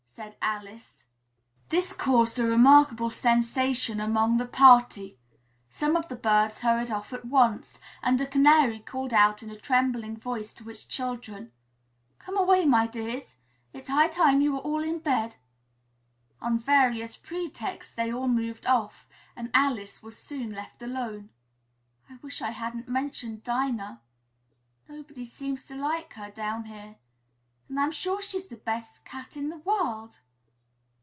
said Alice. This caused a remarkable sensation among the party. Some of the birds hurried off at once, and a Canary called out in a trembling voice, to its children, "Come away, my dears! It's high time you were all in bed!" On various pretexts they all moved off and Alice was soon left alone. "I wish I hadn't mentioned Dinah! Nobody seems to like her down here and I'm sure she's the best cat in the world!"